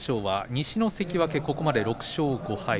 西の関脇ここまで６勝５敗。